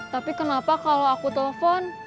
tapi kenapa kalau aku telpon